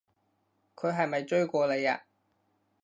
佢係咪追過你啊？